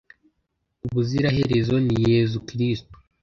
ubuziraherezo ni yezu kristu